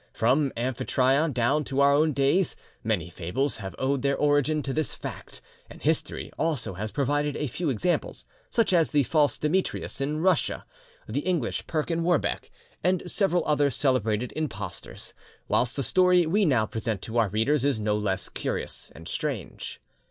From Amphitryon down to our own days, many fables have owed their origin to this fact, and history also has provided a few examples, such as the false Demetrius in Russia, the English Perkin Warbeck, and several other celebrated impostors, whilst the story we now present to our readers is no less curious and strange.